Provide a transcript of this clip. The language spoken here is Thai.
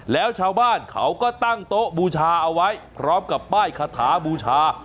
แล้วชาวบ้านเขาก็ตั้งโต๊ะบูชาเอาไว้พร้อมกับป้ายคาถาบูชา